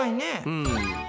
うん。